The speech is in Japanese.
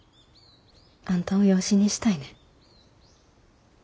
あんたを養子にしたいねん。